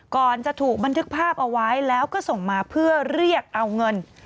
ก่อนจะถูกบันทึกภาพเอาไว้แล้วก็ส่งมาเพื่อเรียกเอาเงิน